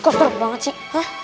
kok teruk banget sih